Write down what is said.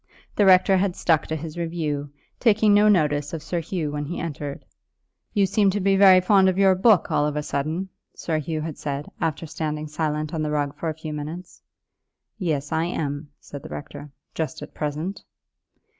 The rector had stuck to his review, taking no notice of Sir Hugh when he entered. "You seem to be very fond of your book, all of a sudden," Sir Hugh had said, after standing silent on the rug for a few minutes. "Yes, I am," said the rector, "just at present."